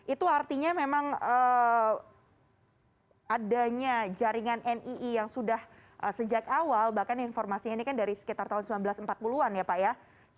itu artinya memang adanya jaringan nii yang sudah sejak awal bahkan informasinya ini kan dari sekitar tahun seribu sembilan ratus empat puluh an ya pak ya